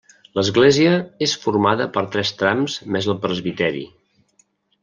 L'església és formada per tres trams més el presbiteri.